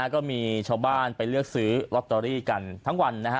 ก็มีชาวบ้านไปเลือกซื้อลอตเตอรี่กันทั้งวันนะฮะ